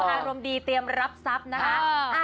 อารมณ์ดีเตรียมรับทรัพย์นะคะ